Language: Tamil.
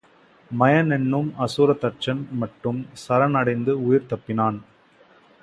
மயன் என்னும் அசுரத்தச்சன் மட்டும் சரண் அடைந்து உயிர் தப்பினான்.